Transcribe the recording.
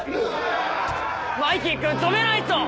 マイキー君止めないと！